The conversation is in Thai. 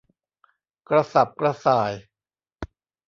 กระสับกระส่าย